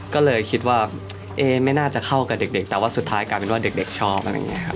ก็เลยคิดว่าเอ๊ไม่น่าจะเข้ากับเด็กแต่ว่าสุดท้ายกลายเป็นว่าเด็กชอบอะไรอย่างนี้ครับ